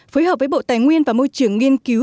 phối hợp với bộ tài nguyên và môi trường nghiên cứu